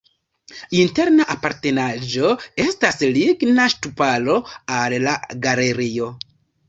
Interna apartenaĵo estas ligna ŝtuparo al la galerio.